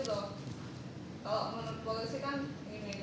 kalau menurut polisi kan ini ini ini ini